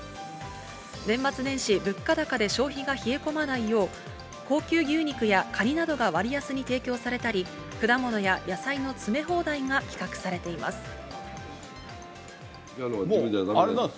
年末年始、物価高で消費が冷え込まないよう、高級牛肉やカニなどが割安に提供されたり、果物や野菜の詰め放題が企画されています。